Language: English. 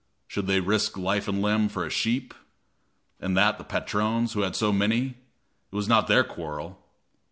Should they risk life and limb for a sheep? and that the patron's, who had so many! It was not their quarrel!